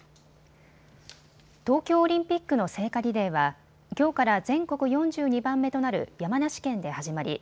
東京オリンピックの聖火リレーはきょうから全国４２番目となる山梨県で始まり